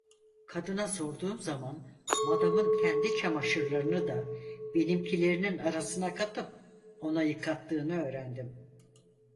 Kadına sorduğum zaman madamın kendi çamaşırlarını da benimkilerin arasına katıp ona yıkattığını öğrendim.